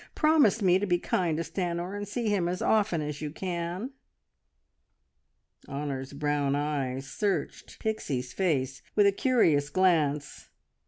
Promise me to be kind to Stanor, and see him as often as you can!" Honor's brown eyes searched Pixie's face with a curious glance.